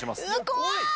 怖い！